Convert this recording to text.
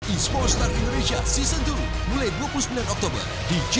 ispors start indonesia season dua mulai dua puluh sembilan oktober di gtv